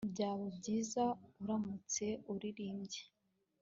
Byaba byiza uramutse uririmbye